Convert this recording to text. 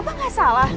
apa gak salah